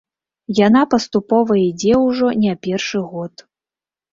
Яна паступова ідзе ўжо не першы год.